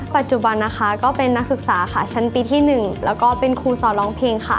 ปัจจุบันเป็นนักศึกษาชั้นปีที่๑และคุณสอนร้องเพลง